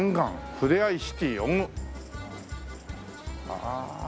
ああ。